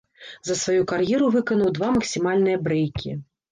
За сваю кар'еру выканаў два максімальныя брэйкі.